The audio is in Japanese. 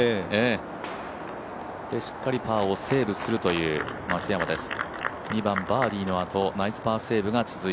しっかりパーをセーブするという松山です。